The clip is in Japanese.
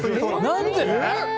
何で？